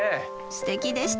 すてきでした。